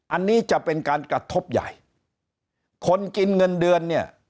อันนี้จะเป็นการกระทบใหญ่คนกินเงินเดือนเนี่ย